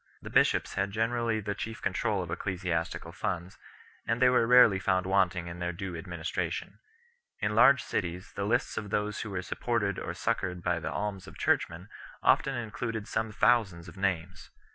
The bishops had generally the chief control of ecclesiastical funds, and they were rarely found wanting in their due administration. In large cities the lists of those who were supported or succoured by the alms of churchmen often included some thousands of names.